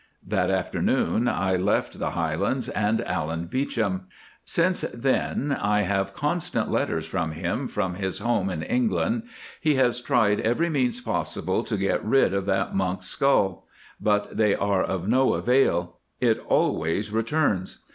That afternoon I left the Highlands and Allan Beauchamp. Since then I have constant letters from him from his home in England. He has tried every means possible to get rid of that monk's skull; but they are of no avail, it always returns.